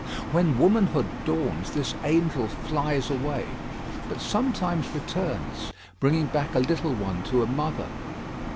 When womanhood dawns, this angel flies away; but sometimes returns, bringing back a little one to a mother.